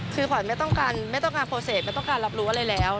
คือขวัญไม่ต้องการโปรเศษไม่ต้องการรับรู้อะไรแล้ว